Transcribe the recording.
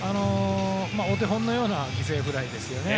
お手本のような犠牲フライですよね。